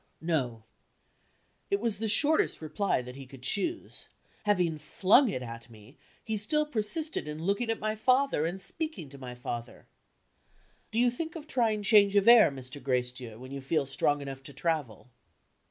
"No." It was the shortest reply that he could choose. Having flung it at me, he still persisted in looking at my father and speaking to my father: "Do you think of trying change of air, Mr. Gracedieu, when you feel strong enough to travel?"